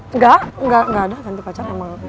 enggak enggak ada ganti pacar sama